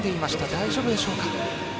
大丈夫でしょうか。